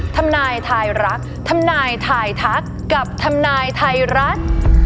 ทำนายทายรักทำนายทายทักกับทำนายไทยรัฐ